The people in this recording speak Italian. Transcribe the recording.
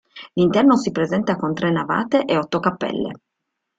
L'interno si presenta con tre navate e otto cappelle.